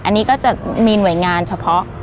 อันนี้ก็จะมีหน่วยงานเฉพาะ